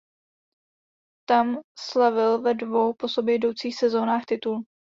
Tam slavil ve dvou po sobě jdoucích sezónách titul.